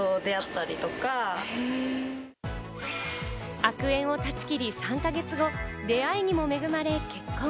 悪縁を断ち切り３か月後、出会いにも恵まれ、結婚。